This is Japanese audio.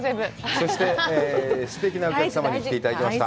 そして、すてきなお客様に来ていただきました。